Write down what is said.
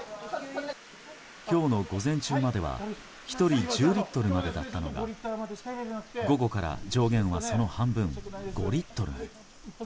今日の午前中までは１人１０リットルまでだったのが午後から、上限はその半分５リットルに。